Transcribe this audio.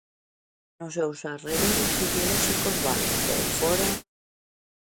Nos seus arredores ideolóxicos, vale, pero fóra.